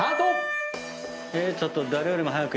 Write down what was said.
えちょっと。